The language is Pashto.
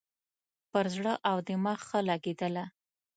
پر زړه او دماغ ښه لګېدله.